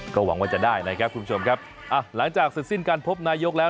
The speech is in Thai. ก็หวังว่าจะได้นะครับคุณผู้ชมครับอ่ะหลังจากเสร็จสิ้นการพบนายกแล้ว